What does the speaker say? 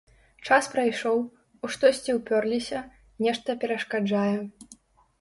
Час прайшоў, у штосьці ўпёрліся, нешта перашкаджае.